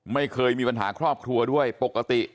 ไม่เคยมีปัญหาครอบครัวด้วยปกติ